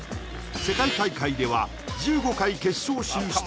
世界大会では１５回決勝進出